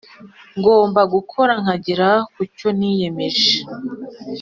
Ngomba gukora nkagera kucyo niyemeje